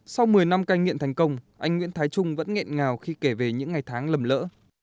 sau một mươi năm cai nghiện thành công anh nguyễn thái trung vẫn nghẹn ngào khi kể về những ngày tháng lầm lỡ